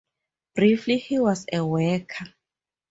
Briefly, he was a worker.